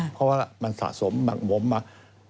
เพราะว่ามันสะสมหมักบมมา